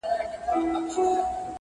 د کبر کاسه نسکوره ده.